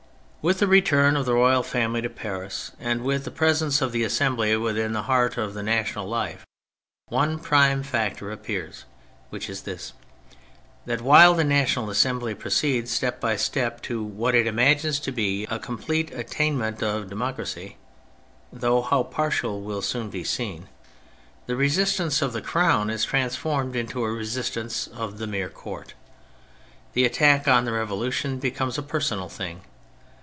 With the return of the royal family to Paris, and with the presence of the Assembly within the heart of the national life, one prime factor appears, which is this : that while the National Assembly proceeds step by step to what it imagines to be a complete attainment of democracy (though how partial will soon be seen), the resistance of the Crown is transformed into a resistance of the mere Court. The attack on the Revolution be comes a personal thing.